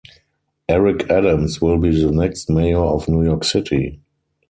Eric Adams will be the next mayor of New York City.